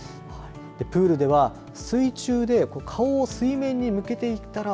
プールでは水中で顔を水面に向けていたら